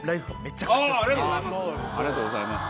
ありがとうございます。